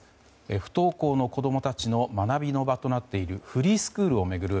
不登校の子供たちの学びの場となっているフリースクールを巡る